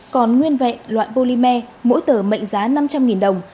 còn nguyên vẹn loại polymer mỗi tờ mệnh giá năm trăm linh đồng